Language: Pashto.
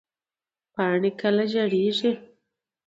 پاڼې کله ژیړیږي؟